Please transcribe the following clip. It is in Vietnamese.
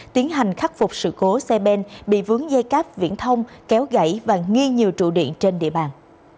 tiến hành khắc phục sự cố xe bên bị vướng dây cáp viễn thông kéo gãy và nghi nhiều trụ điện trên địa bàn